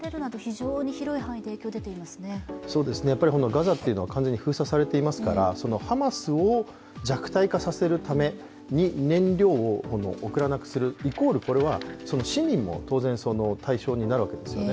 ガザというのは完全に封鎖されていますからハマスを弱体化させるために燃料を送らなくする、イコール、これは、市民も対象になるわけですよね。